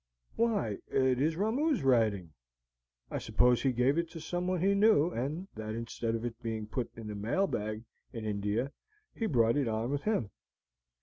"Why, it is Ramoo's writing. I suppose he gave it to someone he knew, and that instead of its being put in the mail bag in India, he brought it on with him.